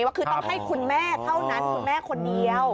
ว่าคือต้องให้คุณแม่เท่านั้นคุณแม่คนเดียว